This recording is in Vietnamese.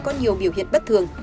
có nhiều biểu hiện bất thường